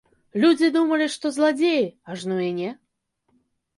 Людзі думалі, што зладзеі, ажно і не!